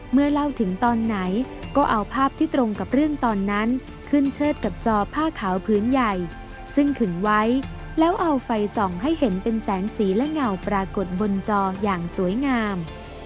เมื่อเล่าถึงตอนไหนก็เอาภาพที่ตรงกับเรื่องตอนนั้นขึ้นเชิดกับจอผ้าขาวพื้นใหญ่ซึ่งขึงไว้แล้วเอาไฟส่องให้เห็นเป็นแสงสีและเงาปรากฏบนจออย่างสวยงาม